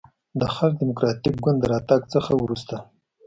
د خلق دیموکراتیک ګوند د راتګ نه وروسته